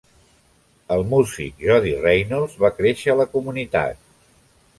El músic Jody Reynolds va créixer a la comunitat.